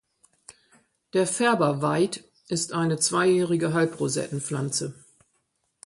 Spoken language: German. Der Färberwaid ist eine zweijährige Halbrosettenpflanze.